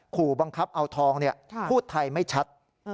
ขู่บังคับเอาทองพูดไทยไม่ชัด